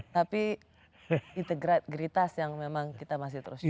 tapi integritas yang memang kita masih terus